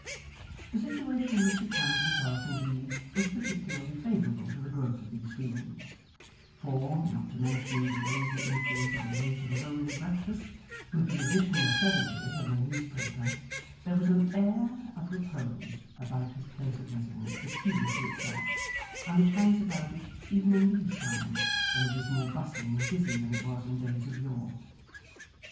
The situation in which he found himself, indeed, was particularly favourable to the growth of these feelings; for, not to mention the lazy influence of a late and lonely breakfast, with the additional sedative of a newspaper, there was an air of repose about his place of residence peculiar to itself, and which hangs about it, even in these times, when it is more bustling and busy than it was in days of yore.